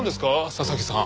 佐々木さん。